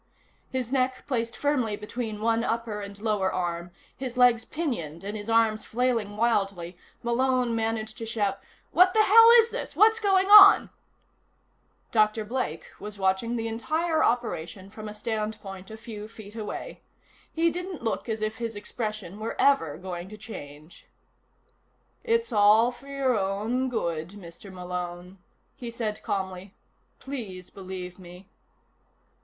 His neck placed firmly between one upper and lower arm, his legs pinioned and his arms flailing wildly, Malone managed to shout: "What the hell is this? What's going on?" Dr. Blake was watching the entire operation from a standpoint a few feet away. He didn't look as if his expression were ever going to change. "It's all for your own good, Mr. Malone," he said calmly. "Please believe me."